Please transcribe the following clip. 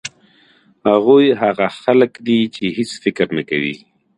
هغوی هغه خلک دي چې هېڅ فکر نه کوي.